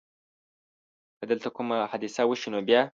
که دلته کومه حادثه وشي نو بیا؟